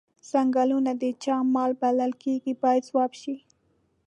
څنګلونه د چا مال بلل کیږي باید ځواب شي.